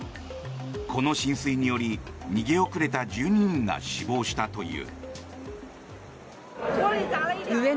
この浸水により、逃げ遅れた１２人が死亡したという。